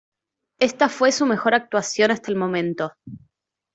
Esta fue su mejor actuación hasta el momento.